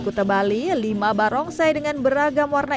kuta bali lima barongsai dengan beragam warna